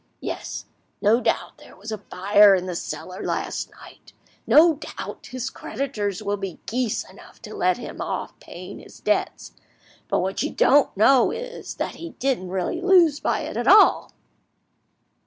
Yes, no doubt there was a fire in the cellar last night, no doubt his creditors will be geese enough to let him off paying his debts! But what you don't know is, that he didn't really lose by it at all!"